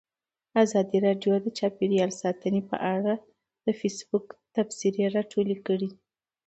ازادي راډیو د چاپیریال ساتنه په اړه د فیسبوک تبصرې راټولې کړي.